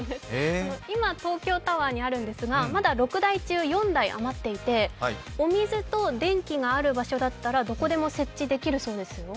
今、東京タワーにあるんですが、６台中４台余っていてお水と電気がある場所だったらどこでも設置できるそうですよ。